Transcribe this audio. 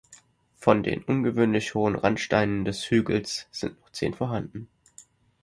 Von den ungewöhnlich hohen Randsteinen des Hügels sind noch zehn vorhanden.